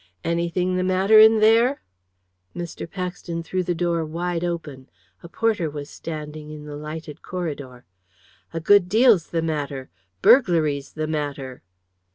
"Anything the matter in there?" Mr. Paxton threw the door wide open. A porter was standing in the lighted corridor. "A good deal's the matter. Burglary's the matter."